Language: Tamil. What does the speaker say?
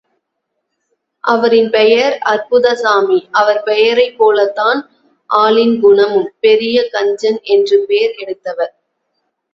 அவரின் பெயர் அற்புதசாமி, அவர் பெயரைப் போலத்தான் ஆளின் குணமும், பெரிய கஞ்சன் என்று பேர் எடுத்தவர்.